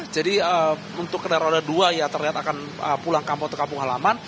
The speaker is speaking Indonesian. jadi untuk kendaraan roda dua ya terlihat akan pulang kampung ke kampung halaman